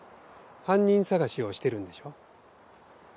犯人捜しをしてるんでしょ？